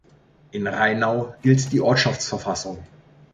In Rheinau gilt die Ortschaftsverfassung.